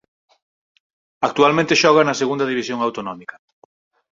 Actualmente xoga na segunda división autonómica.